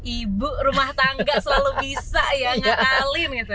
ibu rumah tangga selalu bisa ya ngakalin gitu ya